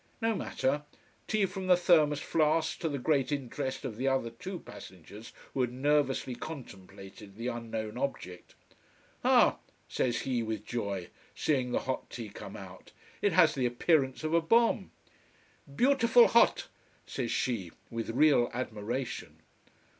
No matter tea from the thermos flask, to the great interest of the other two passengers who had nervously contemplated the unknown object. "Ha!" says he with joy, seeing the hot tea come out. "It has the appearance of a bomb." "Beautiful hot!" says she, with real admiration.